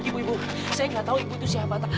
ibu ibu saya gak tau ibu itu siapa